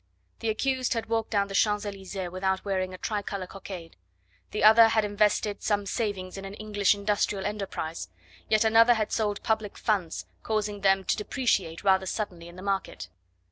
The accused had walked down the Champs Elysees without wearing a tricolour cockade; the other had invested some savings in an English industrial enterprise; yet another had sold public funds, causing them to depreciate rather suddenly in the market!